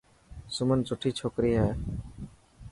سمن سٺي ڇوڪري هي.